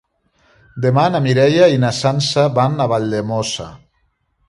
Demà na Mireia i na Sança van a Valldemossa.